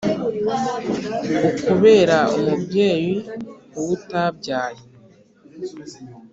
Ukubera umubyeyi uwo utabyaye